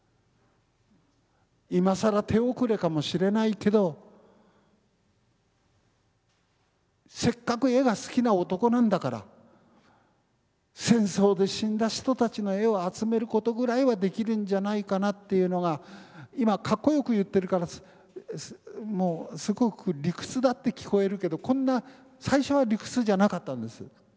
今更手遅れかもしれないけどせっかく絵が好きな男なんだから戦争で死んだ人たちの絵を集めることぐらいはできるんじゃないかなっていうのが今かっこよく言ってるからすごく理屈だって聞こえるけどこんな最初は理屈じゃなかったんです。